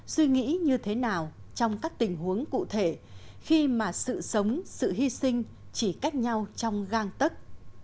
suy nghĩ như thế nào trong các tình huống cụ thể khi mà sự sống sự hy sinh chỉ cách nhau trong găng tức